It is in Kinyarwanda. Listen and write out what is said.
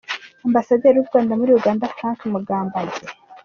Ambasaderi w’u Rwanda muri Uganda, Frank Mugambage